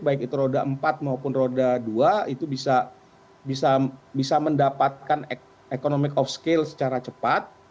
baik itu roda empat maupun roda dua itu bisa mendapatkan economic off scale secara cepat